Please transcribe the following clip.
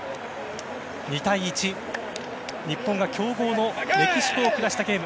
２対１、日本が強豪のメキシコを下したゲーム。